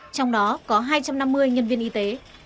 trong đó có hai trăm năm mươi nhân viên y tế